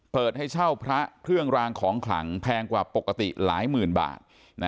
เปิดให้เช่าพระเครื่องรางของขลังแพงกว่าปกติหลายหมื่นบาท